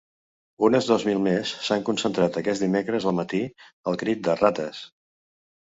Unes dos mil més s’han concentrat aquest dimecres al matí al crit de “rates”.